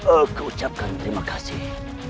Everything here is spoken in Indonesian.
aku ucapkan terima kasih